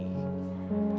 kami sudah menjelaskannya